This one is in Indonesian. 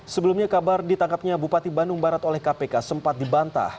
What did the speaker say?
sebelumnya kabar ditangkapnya bupati bandung barat oleh kpk sempat dibantah